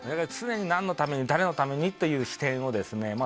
常に何のために誰のためにという視点をですね